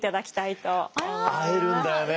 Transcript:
会えるんだよね